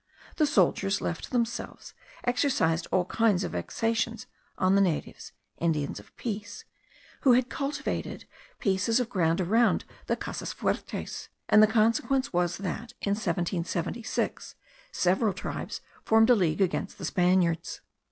The soldiers, left to themselves, exercised all kinds of vexations on the natives (Indians of peace), who had cultivated pieces of ground around the casas fuertes; and the consequence was that, in 1776, several tribes formed a league against the Spaniards.